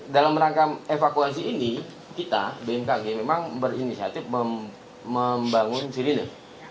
dalam rangka evakuasi ini kita bmkg memang berinisiatif membangun sirine